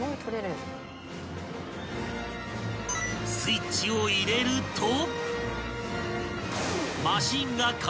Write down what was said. ［スイッチを入れると］